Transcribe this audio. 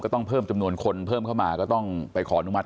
ต้องเพิ่มจำนวนคนเพิ่มเข้ามาก็ต้องไปขออนุมัติ